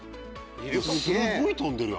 すごい飛んでるよ。